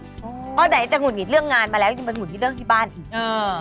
เพราะไหนจะหงุดหงิดเรื่องงานมาแล้วยังมาหงุดหิดเรื่องที่บ้านอีก